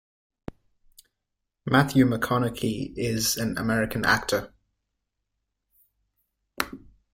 Matthew McConaughey is an American actor.